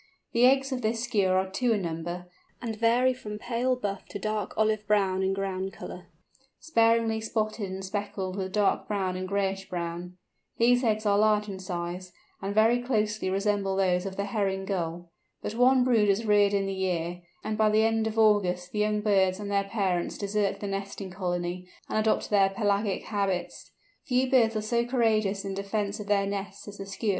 The eggs of this Skua are two in number, and vary from pale buff to dark olive brown in ground colour, sparingly spotted and speckled with dark brown and grayish brown. These eggs are large in size, and very closely resemble those of the Herring Gull. But one brood is reared in the year, and by the end of August the young birds and their parents desert the nesting colony, and adopt their pelagic habits. Few birds are so courageous in defence of their nests as the Skua.